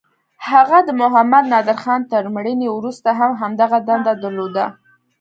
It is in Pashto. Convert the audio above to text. هغه د محمد نادرخان تر مړینې وروسته هم همدغه دنده درلوده.